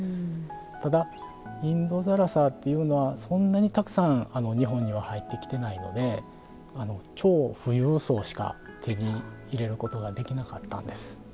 ただインド更紗っていうのはそんなにたくさん日本には入ってきてないので超富裕層しか手に入れることができなかったんです。